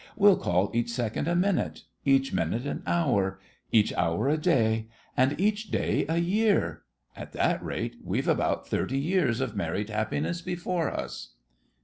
We'll call each second a minute—each minute an hour—each hour a day—and each day a year. At that rate we've about thirty years of married happiness before us!